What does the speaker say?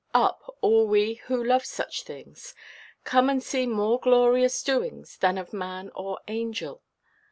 Up, all we who love such things; come and see more glorious doings than of man or angel.